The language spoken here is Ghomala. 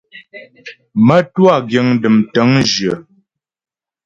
Mə́twâ giŋ dəm tə̂ŋjyə.